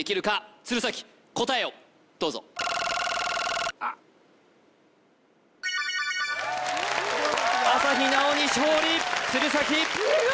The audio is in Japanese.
鶴崎答えをどうぞ朝日奈央に勝利鶴崎